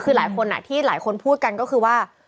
คือหลายคนที่หลายคนพูดกันก็คือว่า